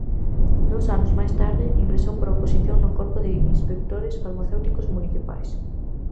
Dous anos máis tarde, ingresou por oposición no Corpo de Inspectores Farmacéuticos Municipais.